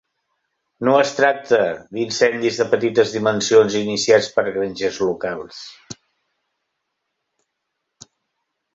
No es tracta d'incendis de petites dimensions iniciats per grangers locals.